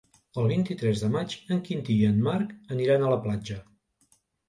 El vint-i-tres de maig en Quintí i en Marc aniran a la platja.